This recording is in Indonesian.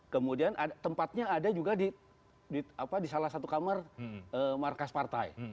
kemudian tempatnya ada juga di salah satu kamar markas partai